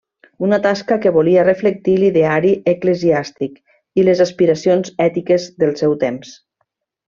Una tasca que volia reflectir l'ideari eclesiàstic i les aspiracions ètiques del seu temps.